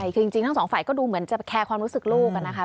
คือจริงทั้งสองฝ่ายก็ดูเหมือนจะแคร์ความรู้สึกลูกนะครับ